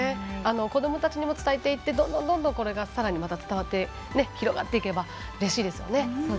子どもたちにも伝えていってどんどん、これがさらにまた伝わって広がっていけばうれしいですね。